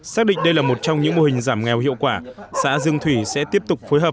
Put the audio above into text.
xác định đây là một trong những mô hình giảm nghèo hiệu quả xã dương thủy sẽ tiếp tục phối hợp